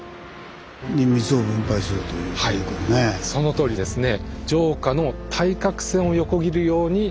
そのとおりですね。